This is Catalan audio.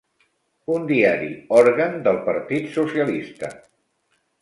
Un diari òrgan del partit socialista.